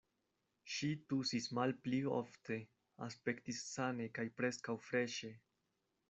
Ŝi tusis malpli ofte, aspektis sane kaj preskaŭ freŝe.